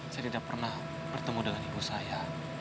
saya tidak pernah bertemu dengan ibu saya